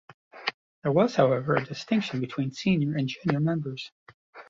There was, however, a distinction between senior and junior members.